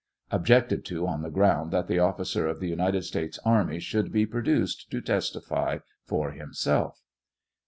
[Objected to on the ground that the. ofiScer of the United States army should be produced to testify for himself.